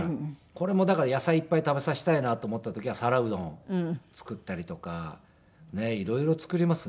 これもだから野菜いっぱい食べさせたいなと思った時は皿うどん作ったりとか色々作りますね